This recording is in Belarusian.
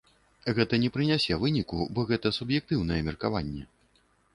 Гэта не прынясе выніку, бо гэта суб'ектыўнае меркаванне.